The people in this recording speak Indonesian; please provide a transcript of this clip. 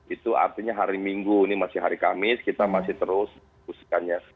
itu artinya hari minggu ini masih hari kamis kita masih terus diskusikannya